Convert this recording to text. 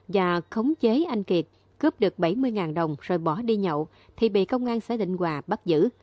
và khống chế anh kiệt cướp được bảy mươi đồng rồi bỏ đi nhậu thì bị công an xã định hòa bắt giữ